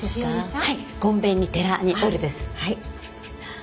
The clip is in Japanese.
はい。